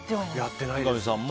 三上さんも？